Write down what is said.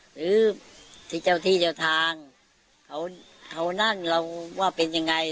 หรือที่เจ้าที่เจ้าทางเขานั่งเราว่าเป็นยังไง